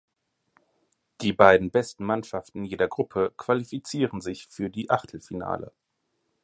Die beiden besten Mannschaften jeder Gruppe qualifizieren sich für die Achtelfinale.